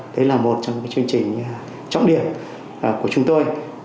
đấy là một trong những chương trình trọng điểm của chúng tôi